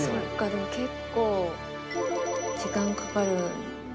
でも結構時間かかるんですね」